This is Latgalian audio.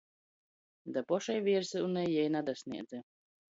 Da pošai viersyunei jei nadasnēdze.